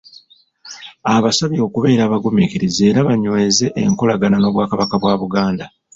Abasabye okubeera abaguminkiriza era banyweze enkolagana n'Obwakabaka bwa Buganda.